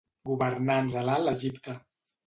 Governants a l'Alt Egipte.